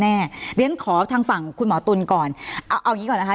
แน่เพราะฉะนั้นขอทางฝั่งคุณหมอตุ๋นก่อนเอาอย่างงี้ก่อนนะคะ